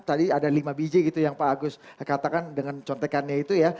tadi ada lima biji gitu yang pak agus katakan dengan contekannya itu ya